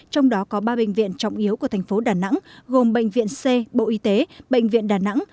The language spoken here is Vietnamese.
trong đó có ba bệnh viện trọng yếu của thành phố đà nẵng gồm bệnh viện c bộ y tế bệnh viện đà nẵng